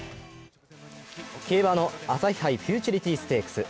競馬の朝日杯フューチュリティステークス。